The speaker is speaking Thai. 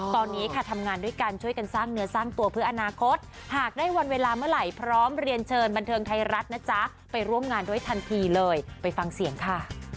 ตอนนี้ค่ะทำงานด้วยกันช่วยกันสร้างเนื้อสร้างตัวเพื่ออนาคตหากได้วันเวลาเมื่อไหร่พร้อมเรียนเชิญบันเทิงไทยรัฐนะจ๊ะไปร่วมงานด้วยทันทีเลยไปฟังเสียงค่ะ